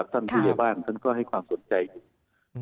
ท่านผู้หญิงบ้านก็ให้ความสนใจอยู่